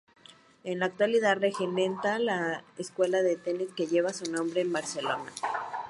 En la actualidad regenta la escuela de tenis que lleva su nombre, en Barcelona.